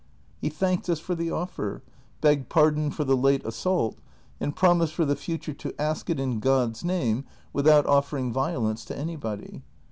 He thanked us for the offer, begged pardon for the late assault, and promised for the futiire to ask it in Clodjs name without offering violence to anybody.